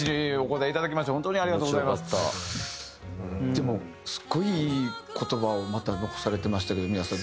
でもすごい言葉をまた残されてましたけど美和さん。